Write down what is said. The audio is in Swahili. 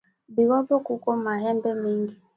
Bigobo kuko mahembe mingi